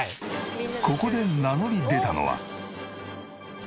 ここで名乗り出たのは以前。